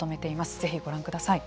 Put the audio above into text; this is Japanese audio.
ぜひご覧ください。